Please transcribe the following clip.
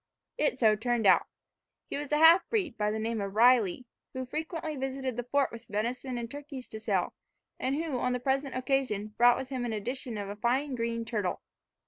It so turned out. He was a half breed, by the name of Riley, who frequently visited the fort with venison and turkeys to sell, and who on the present occasion brought with him in addition a fine green turtle.